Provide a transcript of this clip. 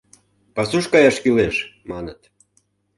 Пасуш каяш кӱлеш, маныт.